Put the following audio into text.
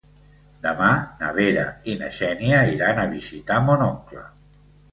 Demà na Vera i na Xènia iran a visitar mon oncle.